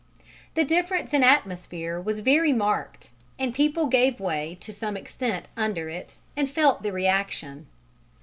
The difference in "atmosphere" was very marked, and people gave way to some extent under it and felt the reaction.